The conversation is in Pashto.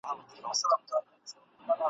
تا خو د یاجوجو له نکلونو بېرولي وو `